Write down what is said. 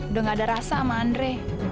udah gak ada rasa sama andre